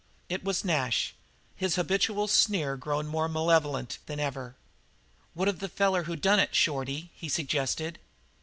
It was Nash, his habitual sneer grown more malevolent than ever. "What of the feller that done it, Shorty?" he suggested.